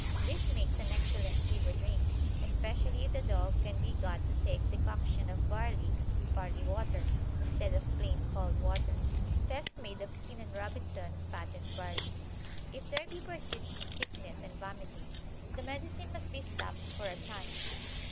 This makes an excellent fever drink, especially if the dog can be got to take decoction of barley barley water instead of plain cold water, best made of Keen and Robinson's patent barley. If there be persistent sickness and vomiting, the medicine must be stopped for a time.